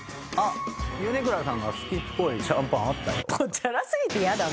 「あっ米倉さんが好きっぽいシャンパンあったよ」